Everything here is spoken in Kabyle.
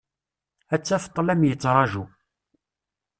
Ad taf ṭṭlam yettraǧu.